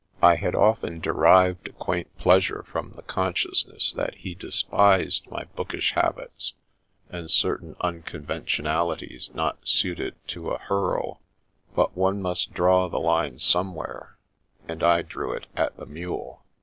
I had often derived a quaint pleasure from the consciousness that he de spised my bookish habits and certain unconvention alities not suited to a * hearl '; but one must draw the line somewhere, and I drew it at the mule.